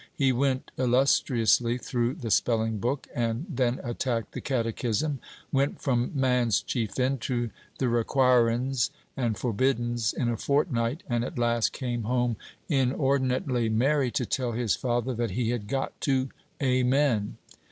He went illustriously through the spelling book, and then attacked the catechism; went from "man's chief end" to the "requirin's and forbiddin's" in a fortnight, and at last came home inordinately merry, to tell his father that he had got to "Amen."